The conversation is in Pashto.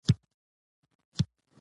ښځه د خپل ژوند د خوښۍ لټون کوي.